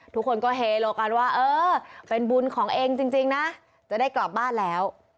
ทุกคนก็เฮโลกันว่าเออเป็นบุญของเองจริงนะจะได้กลับบ้านแล้ว